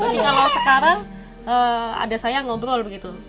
tapi kalau sekarang ada saya ngobrol begitu